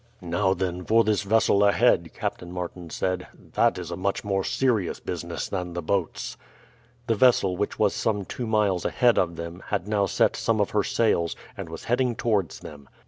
"Now then for this vessel ahead," Captain Martin said; "that is a much more serious business than the boats." The vessel, which was some two miles ahead of them, had now set some of her sails, and was heading towards them.